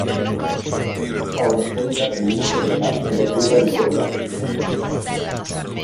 Ha una folta pelliccia nera ed è priva di coda.